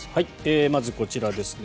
まず、こちらですね。